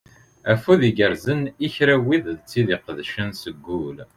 Afud igerzen i kra n wid d tid iqeddcen seg ul.